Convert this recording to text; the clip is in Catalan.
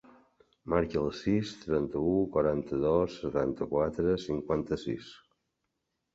Marca el sis, trenta-u, quaranta-dos, setanta-quatre, cinquanta-sis.